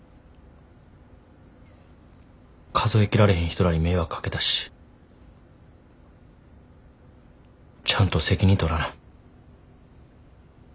数え切られへん人らに迷惑かけたしちゃんと責任取らな。